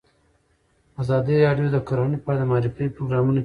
ازادي راډیو د کرهنه په اړه د معارفې پروګرامونه چلولي.